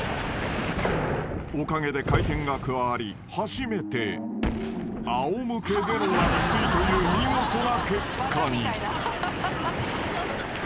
［おかげで回転が加わり初めてあお向けでの落水という見事な結果に］